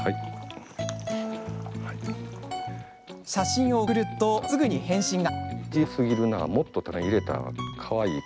写真を送るとすぐに返信が。